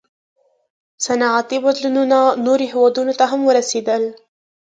• صنعتي بدلونونه نورو هېوادونو ته هم ورسېدل.